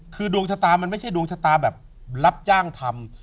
คือดวงชะตาไม่ใช่รบจ้างทำ